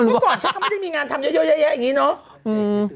เมื่อก่อนฉันก็ไม่ได้มีงานทำเยอะแยะอย่างนี้เนาะ